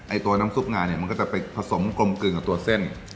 ตัวน้ำซุปงาเนี่ยมันก็จะไปผสมกลมกลึงกับตัวเส้น